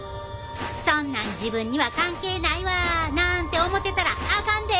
そんなん自分には関係ないわなんて思ってたらあかんで！